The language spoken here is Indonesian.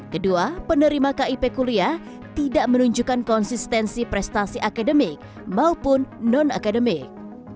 kedua penerima kip kuliah tidak menunjukkan konsistensi prestasi akademik maupun non akademik